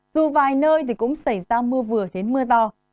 dù vài nơi thì cũng xảy ra mưa vừa đến mưa to